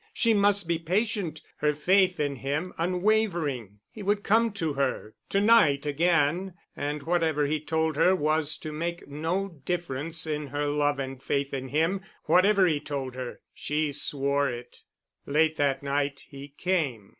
She must be patient—her faith in him unwavering. He would come to her to night again—and whatever he told her was to make no difference in her love and faith in him—whatever he told her—she swore it. Late that night he came.